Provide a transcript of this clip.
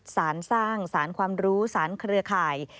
สารสร้างสารความรู้สารเครือข่าย